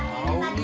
mau nih kembali